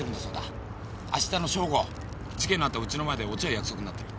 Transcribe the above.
あしたの正午事件のあったウチの前で落ち合う約束になってる。